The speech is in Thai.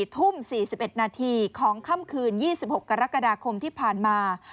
ทุ่ม๔๑นาทีของค่ำคืน๒๖กรกฎาคมที่ผ่านมา